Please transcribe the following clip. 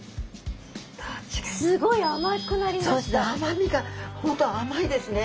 すごい甘みが本当甘いですね。